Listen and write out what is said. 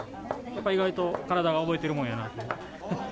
やっぱり意外と体が覚えてるもんやなと。